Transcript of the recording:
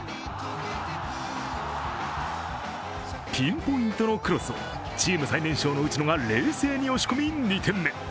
ピンポイントのクロスをチーム最年少の内野が冷静に押し込み、２点目。